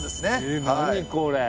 え何これ。